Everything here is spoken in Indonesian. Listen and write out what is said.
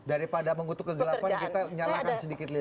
daripada mengutuk kegelapan kita nyalakan sedikit lilit ya